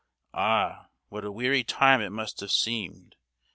Ah, what a weary time it must have seemed!